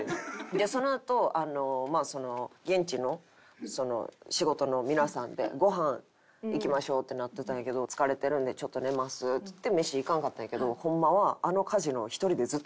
でそのあと現地の仕事の皆さんでごはん行きましょうってなってたんやけど「疲れてるんでちょっと寝ます」っつって飯行かんかったんやけどホンマは。